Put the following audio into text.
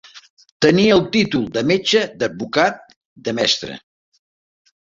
Tenir el títol de metge, d'advocat, de mestre.